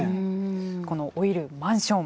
この老いるマンション。